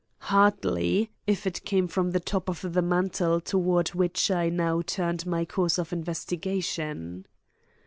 Hardly, if it came from the top of the mantel toward which I now turned in my course of investigation.